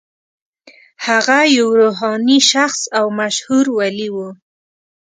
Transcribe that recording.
هغه یو روحاني شخص او مشهور ولي و.